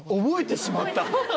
覚えてしまった？